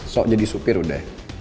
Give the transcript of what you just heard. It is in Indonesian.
sok jadi supir udah